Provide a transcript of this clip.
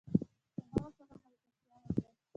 له هغه سره ملګرتيا وکړم؟